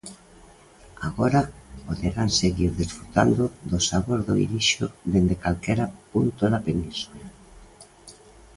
Agora poderán seguir desfrutando do sabor do Irixo dende calquera punto da península.